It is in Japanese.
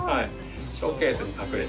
ショーケースに隠れて。